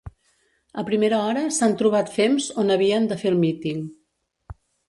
A primera hora, s’han trobat fems on havien de fer el míting.